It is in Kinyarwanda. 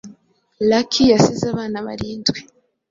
Lucky yasize abana barindwi